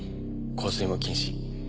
香水も禁止。